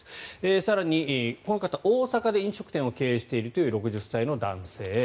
更に、この方大阪で飲食店を経営している６０歳の男性。